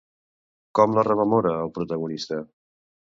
Com la rememora el protagonista?